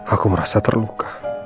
aku merasa terluka